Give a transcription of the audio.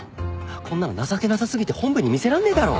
こんなの情けなさ過ぎて本部に見せらんねえだろ。